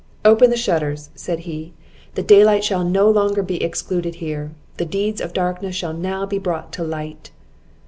"Open the shutters," said he, "the daylight shall no longer be excluded here; the deeds of darkness shall now be brought to light."